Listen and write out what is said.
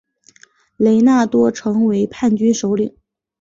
雷纳多成为叛军首领。